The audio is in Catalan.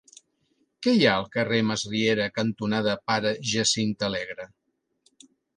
Què hi ha al carrer Masriera cantonada Pare Jacint Alegre?